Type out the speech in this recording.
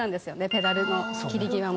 ペダルの切り際も。